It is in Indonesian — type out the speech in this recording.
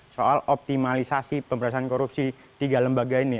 soal optimalisasi pemberantasan korupsi tiga lembaga ini